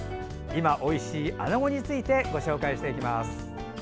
今おいしいアナゴについてご紹介します。